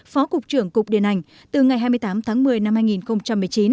phó cục trưởng cục điện ảnh từ ngày hai mươi tám tháng một mươi năm hai nghìn một mươi chín